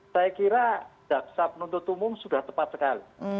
saya kira jaksa penuntut umum sudah tepat sekali